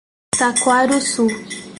Taquarussu